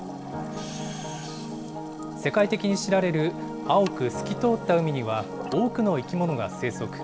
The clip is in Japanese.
世界的に知られる青く透き通った海には、多くの生き物が生息。